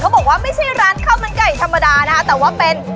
บอกว่าไม่ใช่ร้านข้าวมันไก่ธรรมดานะคะแต่ว่าเป็น